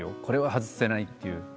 これは外せないっていう。